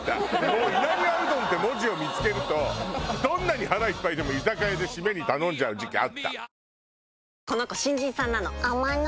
もう「稲庭うどん」って文字を見付けるとどんなに腹いっぱいでも居酒屋で締めに頼んじゃう時期あった。